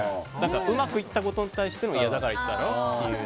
うまくいったことに対してのだから言っただろっていう。